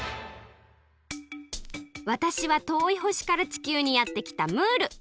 わたしはとおいほしから地球にやってきたムール。